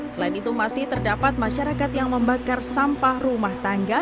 selain itu masih terdapat masyarakat yang membakar sampah rumah tangga